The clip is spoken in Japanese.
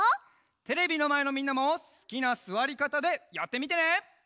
テレビのまえのみんなもすきなすわりかたでやってみてね。